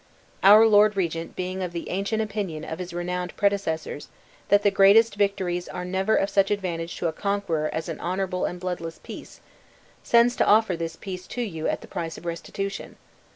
Our lord regent being of the ancient opinion of his renowned predecessors, that the greatest victories are never of such advantage to a conqueror as an honorable and bloodless peace, sends to offer this peace to you at the price of restitution.